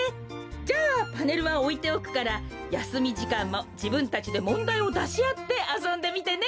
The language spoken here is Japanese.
じゃあパネルはおいておくからやすみじかんもじぶんたちでもんだいをだしあってあそんでみてね。